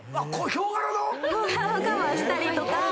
ヒョウ柄のカバーしたり。